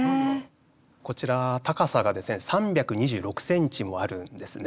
こちら高さが３２６センチもあるんですね。